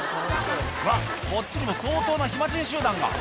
こっちにも相当な暇人集団が。